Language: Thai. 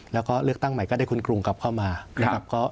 แล้วก็เลือกตั้งใหม่ก็ได้คุณกรุงกลับเข้ามานะครับ